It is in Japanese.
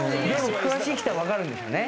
詳しい人は分かるんですよね。